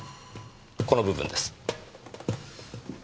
この部分です。